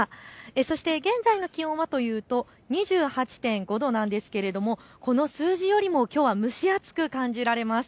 そして現在の気温はというと２８．５度なんですがこの数字よりもきょうは蒸し暑く感じられます。